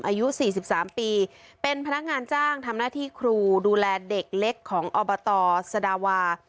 อายุ๔๓ปีเป็นพนักงานจ้างทำหน้าที่ครูดูแลเด็กเล็กของอบตสดาวา